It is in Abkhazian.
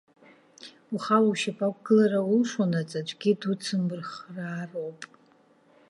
Ухала ушьапы ақәгылара улшонаҵ, аӡәгьы дуцумырхыраароуп.